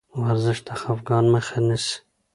ورزش د خفګان مخه نیسي.